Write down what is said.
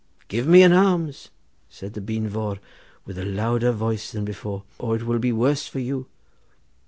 'Give me an alms,' said the Beanvore, with a louder voice than before, 'or it will be worse for you.